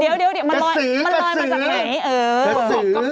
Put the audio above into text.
เดี๋ยวมันลอยมาจากไหน